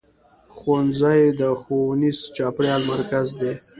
ښوونځی د ښوونیز چاپېریال مرکز دی.